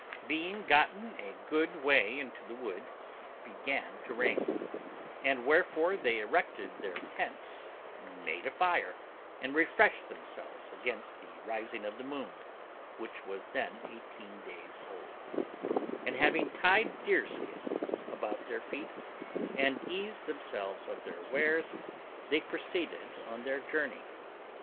Being gotten a good way into the wood, it began to rain; wherefore they erected their tents, made a fire, and refreshed themselves against the rising of the moon, which was then eighteen days old; and having tied deerskins about their feet, and eased themselves of their wares, they proceeded on their journey.